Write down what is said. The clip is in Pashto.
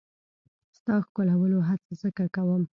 ستا ښکلولو هڅه ځکه کوم.